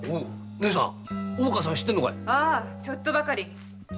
ああちょっとばかり。